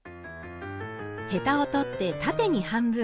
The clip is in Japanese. ヘタを取って縦に半分。